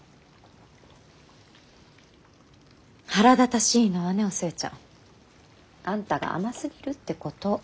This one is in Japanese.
腹立たしいのはねお寿恵ちゃんあんたが甘すぎるってこと。